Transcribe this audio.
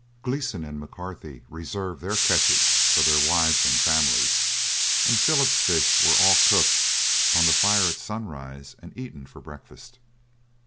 Gleeson and McCarthy reserved their catches for their wives and families, and Philip's fish were all cooked on the fire at sunrise, and eaten for breakfast.